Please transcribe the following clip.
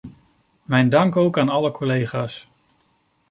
Mijn dank ook aan alle collega's.